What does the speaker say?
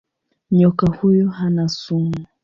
Nyoka huyu hana sumu.